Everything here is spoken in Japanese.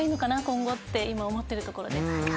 今後って今思ってるところです。